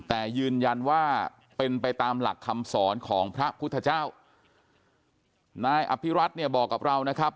แต่ยืนยันว่าเป็นไปตามหลักคำสอนของพระพุทธเจ้านายอภิรัตนเนี่ยบอกกับเรานะครับ